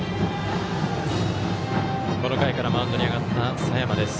この回からマウンドに上がった佐山です。